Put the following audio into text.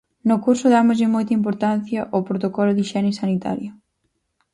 No curso dámoslle moita importancia ao protocolo de hixiene sanitaria.